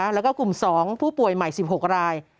แล้วก็กลุ่ม๒ผู้ป่วยใหม่๑๖ราย